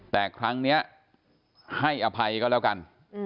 แต่ครั้งนี้ให้อภัยก็แล้วกัน